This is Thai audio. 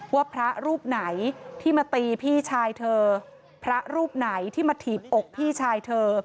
ว่าพระรูปไหนที่มาตีพี่ชายเธอพระรูปไหนที่มาถีบอกพี่ชายเธอ